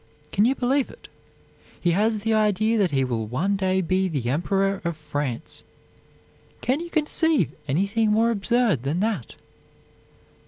Can you believe it? He has the idea that he will one day be the Emperor of France. Can you conceive anything more absurd than that?"